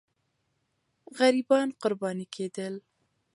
غریبان قرباني کېدل.